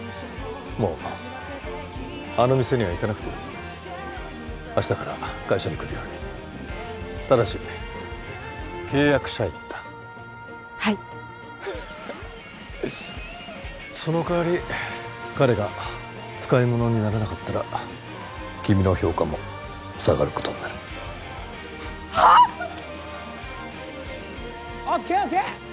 もうあの店には行かなくていい明日から会社に来るようにただし契約社員だはいその代わり彼が使いものにならなかったら君の評価も下がることになるはっ？